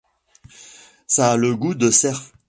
Ça a le goût de cerf.